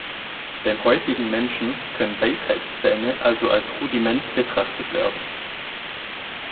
Beim heutigen Menschen können Weisheitszähne also als Rudiment betrachtet werden.